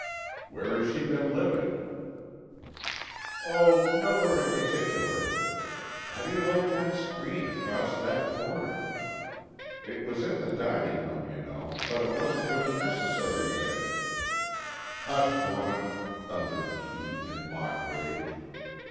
"Where has she been living?" "Oh, nowhere in particular. How do you like that screen across that corner? It was in the dining room, you know, but it wasn't really necessary there——" "Hush, woman!" thundered Kee, in mock rage.